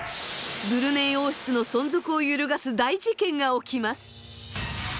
ブルネイ王室の存続を揺るがす大事件が起きます。